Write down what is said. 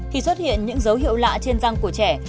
khi xuất hiện những dấu hiệu lạ trên răng của trẻ